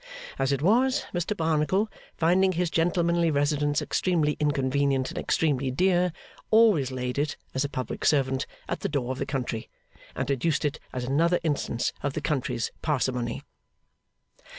As it was, Mr Barnacle, finding his gentlemanly residence extremely inconvenient and extremely dear, always laid it, as a public servant, at the door of the country, and adduced it as another instance of the country's parsimony.